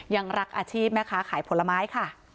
ยังรักอาชีพแม่ค้าขายผลไม้ค่ะ